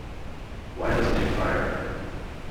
Why doesn't he fire?